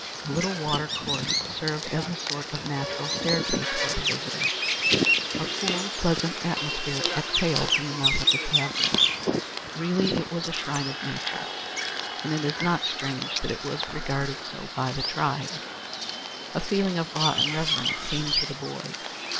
The little watercourse served as a sort of natural staircase for the visitors. A cool, pleasant atmosphere exhaled from the mouth of the cavern. Really it was a shrine of nature, and it is not strange that it was so regarded by the tribe. A feeling of awe and reverence came to the boy.